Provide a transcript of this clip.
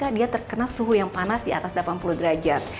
dia terkena suhu yang panas di atas delapan puluh derajat